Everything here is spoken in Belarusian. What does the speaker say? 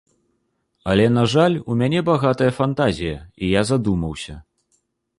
Але, на жаль, у мяне багатая фантазія, і я задумаўся.